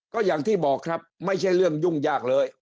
ก็อย่างที่บอกครับไม่ใช่เรื่องยุ่งยากเลย